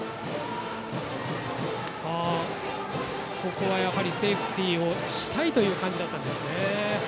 ここはセーフティーをしたい感じだったんですね。